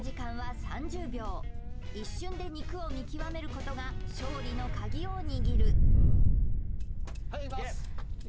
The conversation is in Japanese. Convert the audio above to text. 一瞬で肉を見極めることが勝利の鍵を握るはいいきます！